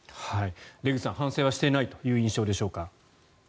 出口さん反省はしていないという印象でしょうか？